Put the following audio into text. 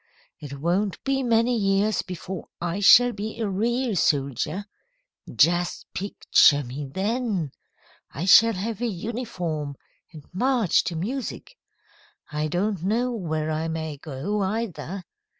It won't be many years before I shall be a real soldier. Just picture me then! I shall have a uniform, and march to music. I don't know where I may go, either.